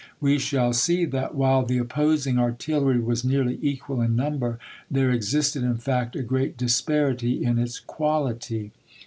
We shall see that while the opposing artillery was nearly equal in number, there existed, in fact, a great disparity in its quality.